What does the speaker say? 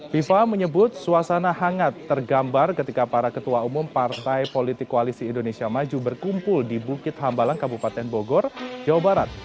viva menyebut suasana hangat tergambar ketika para ketua umum partai politik koalisi indonesia maju berkumpul di bukit hambalang kabupaten bogor jawa barat